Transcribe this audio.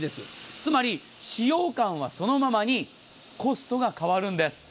つまり、使用感はそのままにコストが変わるんです。